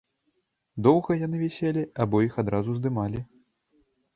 Доўга яны віселі або іх адразу здымалі?